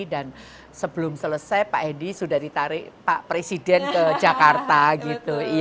dan sebelum selesai pak hendy sudah ditarik pak presiden ke jakarta gitu